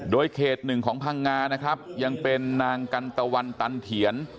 โดยเขตหนึ่งของพังงานะครับยังเป็นนางกันตะวันตันเถียน